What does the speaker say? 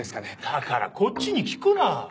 だからこっちに聞くな。